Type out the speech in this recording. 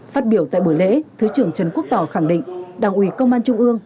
phát biểu tại buổi lễ thứ trưởng trần quốc tỏ khẳng định đảng ủy công an trung ương